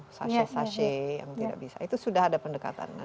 sashay shashay yang tidak bisa itu sudah ada pendekatan